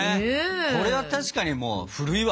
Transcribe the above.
これは確かにもう古いわ。